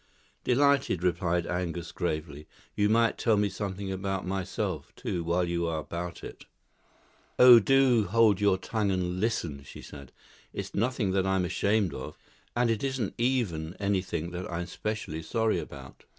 '" "Delighted," replied Angus gravely. "You might tell me something about myself, too, while you are about it." "Oh, do hold your tongue and listen," she said. "It's nothing that I'm ashamed of, and it isn't even anything that I'm specially sorry about.